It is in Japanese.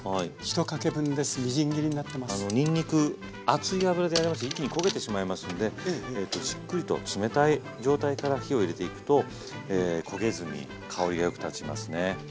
あのにんにく熱い油でやりますと一気に焦げてしまいますんでじっくりと冷たい状態から火を入れていくと焦げずに香りがよく立ちますね。